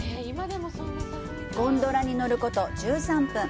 ゴンドラに乗ること１３分。